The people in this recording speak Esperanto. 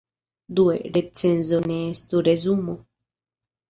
Due, recenzo ne estu resumo.